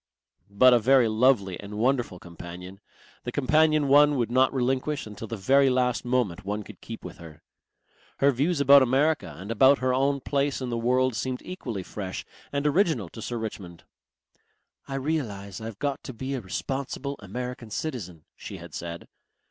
But a very lovely and wonderful companion, the companion one would not relinquish until the very last moment one could keep with her. Her views about America and about her own place in the world seemed equally fresh and original to Sir Richmond. "I realize I've got to be a responsible American citizen," she had said.